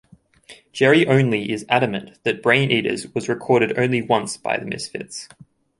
Jerry Only is adamant that "Braineaters" was recorded only once by the Misfits.